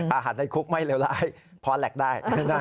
อาหารในคุกไม่เลวนักพอแหลกได้